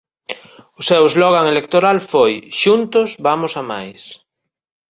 O seu slogan electoral foi «Xuntos vamos a máis».